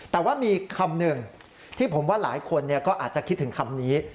แต่ว่ามีคำหนึ่งที่ผมว่าหลายคนก็อาจจะคิดถึงคำนี้